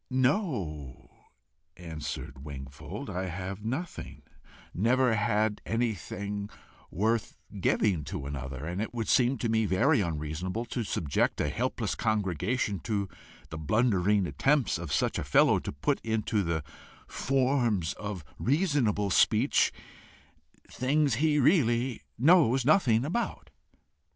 "No," answered Wingfold; "I have nothing, never had anything worth giving to another; and it would seem to me very unreasonable to subject a helpless congregation to the blundering attempts of such a fellow to put into the forms of reasonable speech things he really knows nothing about."